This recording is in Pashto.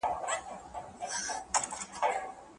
کورنۍ پلان جوړ کړی و.